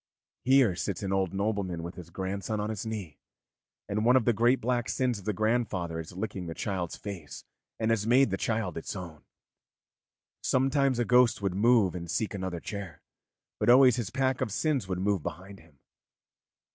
Here sits an old nobleman with his grandson on his knee, and one of the great black sins of the grandfather is licking the child's face and has made the child its own. Sometimes a ghost would move and seek another chair, but always his pack of sins would move behind him.